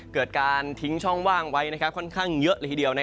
เกิดการทิ้งช่องว่างไว้ค่อนข้างเยอะเลยทีเดียว